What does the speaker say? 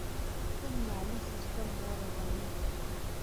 خپل مالي سیستم ورغوي.